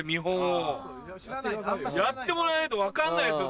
やってもらえないと分かんないっすよ